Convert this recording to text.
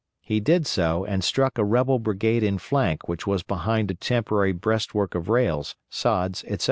He did so and struck a rebel brigade in flank which was behind a temporary breastwork of rails, sods, etc.